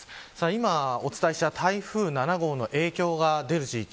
今お伝えした台風７号の影響が出る地域